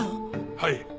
はい。